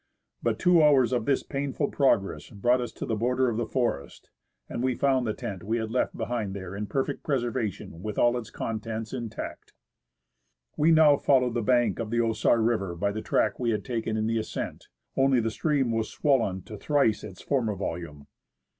But two hours of this painful progress brought us to the border of the forest, and we found the tent we had left behind there in perfect preservation, with all its contents intact. We now followed the bank of the Osar River by the track we had taken in the ascent, only the stream was swollen to thrice its former volume.